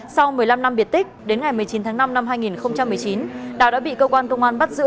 sau một mươi năm năm biệt tích đến ngày một mươi chín tháng năm năm hai nghìn một mươi chín đào đã bị cơ quan công an bắt giữ